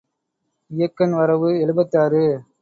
இயக்கன் வரவு எழுபத்தாறு.